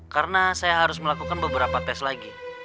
karena saya harus melakukan beberapa tes lagi